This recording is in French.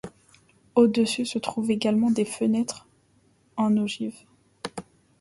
Au-dessus se trouvent également des fenêtres en ogive.